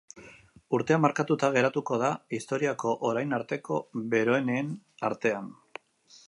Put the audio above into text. Urtea markatuta geratuko da historiako orain arteko beroenen artean.